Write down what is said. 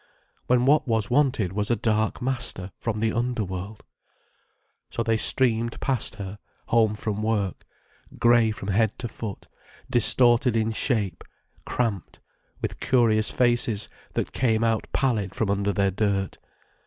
When what was wanted was a Dark Master from the underworld. So they streamed past her, home from work—grey from head to foot, distorted in shape, cramped, with curious faces that came out pallid from under their dirt.